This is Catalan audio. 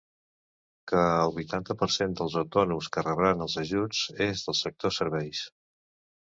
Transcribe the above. Que el vuitanta per cent dels autònoms que rebran els ajuts és del sector serveis.